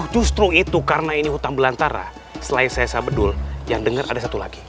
justru itu karena ini hutan belantara selain saya saya bedul yang denger ada satu lagi